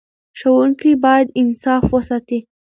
ښوونکي باید انصاف وساتي.